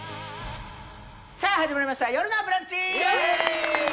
さあ始まりました「よるのブランチ」イエーイ！